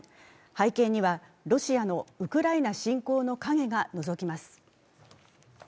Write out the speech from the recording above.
背景にはロシアのウクライナ侵攻の影がのぞきます。